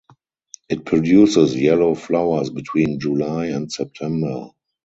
It produces yellow flowers between July and September.